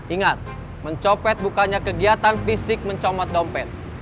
ingat mencopet bukannya kegiatan fisik mencomot dompet